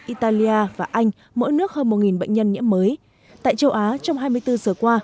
italia và anh mỗi nước hơn một bệnh nhân nhiễm mới tại châu á trong hai mươi bốn giờ qua